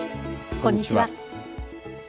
こんにちは。